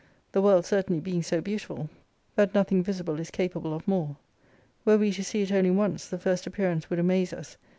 The world certainly being so beautiful that 92 nothing visible is capable of more. Were we to see it only once, the first appearance would amaze us.